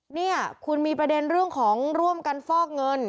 เนี่ยคุณมีประเด็นเรื่องของร่วมกันฟอกเงิน